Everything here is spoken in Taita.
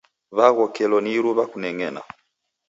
W'aghokelo ni iruw'a kuneng'ena.